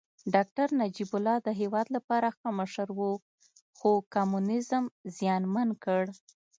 داکتر نجيب الله د هېواد لپاره ښه مشر و خو کمونيزم زیانمن کړ